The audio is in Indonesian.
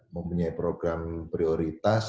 mempunyai program prioritas